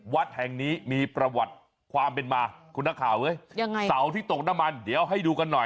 วัดแห่งนี้มีประวัติความเป็นมาคุณนักข่าวเฮ้ยยังไงเสาที่ตกน้ำมันเดี๋ยวให้ดูกันหน่อย